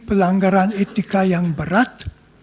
pelanggaran etika yang berat